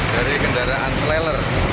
dari kendaraan slalor